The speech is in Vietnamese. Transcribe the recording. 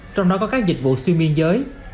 trong đó có các dịch vụ xuyên biên giới